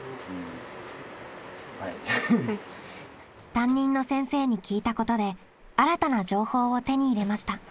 担任の先生に聞いたことで新たな情報を手に入れました。